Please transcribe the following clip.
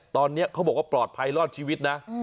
ตอนนี้เขาบอกว่าปลอดภัยรอดชีวิตนะ